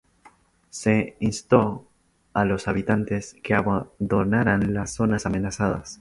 Se instó a los habitantes que abandonaran las zonas amenazadas.